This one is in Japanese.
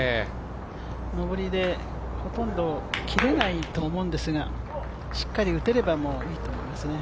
上りでほとんど切れないと思うんですがしっかり打てればいいと思いますね。